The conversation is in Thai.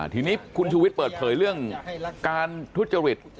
ทีนี้คุณชูวิทย์เปิดเผยเรื่องการทุจริต